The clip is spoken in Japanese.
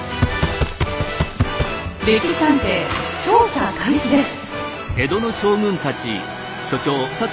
「歴史探偵」調査開始です。